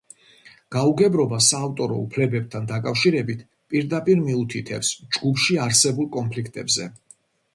გაუგებრობა საავტორო უფლებებთან დაკავშირებით პირდაპირ მიუთითებს ჯგუფში არსებულ კონფლიქტებზე.